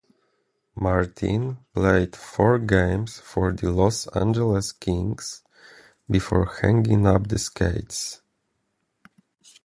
Martin played four games for the Los Angeles Kings before hanging up the skates.